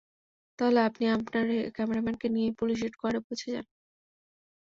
তাহলে আপনি আপনার ক্যামেরাম্যানকে নিয়ে পুলিশ হেডকোয়ার্টারে পৌঁছে যান।